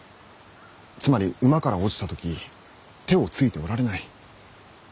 つまり馬から落ちた時手をついておられない。